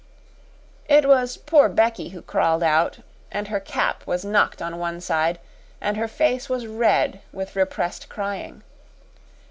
It was poor Becky who crawled out, and her cap was knocked on one side, and her face was red with repressed crying.